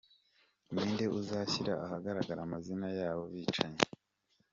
– Ni nde uzashyira ahagaragara amazina y’abo bicanyi, ati ni kanaka na kananka,